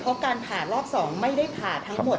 เพราะการผ่ารอบ๒ไม่ได้ผ่าทั้งหมด